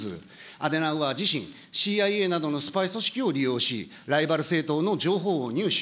アデナウアー自身、ＣＩＡなどのスパイ組織を利用し、ライバル政党の情報を入手。